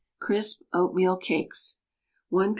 CRISP OATMEAL CAKES. 1 lb.